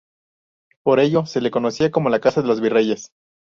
Por ello se le conocía como "Casa de los Virreyes".